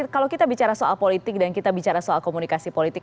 kalau kita bicara soal politik dan kita bicara soal komunikasi politik